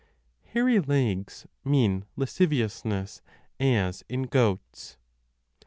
Hairy legs mean lasciviousness, as in goats.